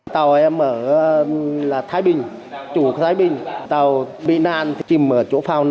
tàu em ở thái bình chủ thái bình tàu bị nạn thì chìm ở chỗ phao năm mươi sáu